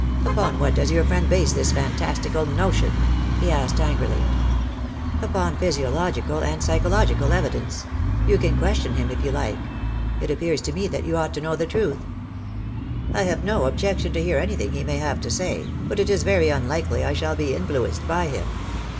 "Upon what does your friend base this fantastical notion?" he asked angrily. "Upon physiological and psychological evidence. You can question him, if you like. It appears to me that you ought to know the truth." "I have no objection to hear anything he may have to say, but it is very unlikely I shall be influenced by him.